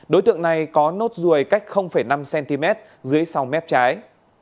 đối tượng này có nốt ruồi cách năm cm dưới sau mép trái